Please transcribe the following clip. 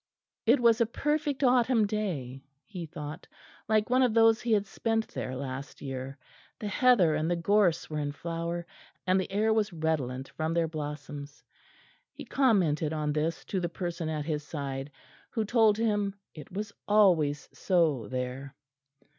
It was a perfect autumn day, he thought, like one of those he had spent there last year; the heather and the gorse were in flower, and the air was redolent from their blossoms; he commented on this to the person at his side, who told him it was always so there.